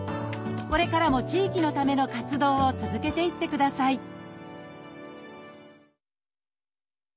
これからも地域のための活動を続けていってください